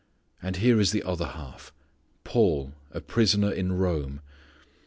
And here is the other half: Paul, a prisoner in Rome.